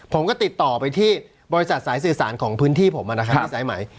ผมก็ติดต่อไปที่บริษัทสายสื่อสารของพื้นที่ผมนะครับที่สายไหม